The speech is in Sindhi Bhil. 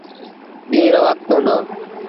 ڏيٚݩهݩ رو وکت هُݩدو۔